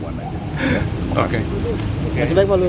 terima kasih baik baik pak lut